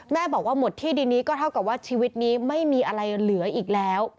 แม่บอกว่าหมดที่ดินนี้ก็เท่ากับว่าชีวิตนี้ไม่มีอะไรเหลืออีกแล้ว